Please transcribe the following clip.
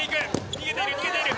逃げている逃げている。